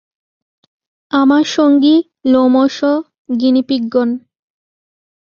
আমার সঙ্গী, লোমশ, গিনিপিগগণ।